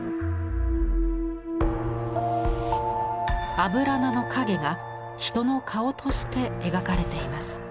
アブラナの影が人の顔として描かれています。